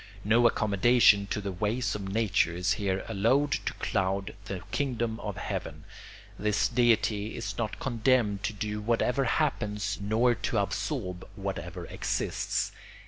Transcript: No accommodation to the ways of nature is here allowed to cloud the kingdom of heaven; this deity is not condemned to do whatever happens nor to absorb whatever exists.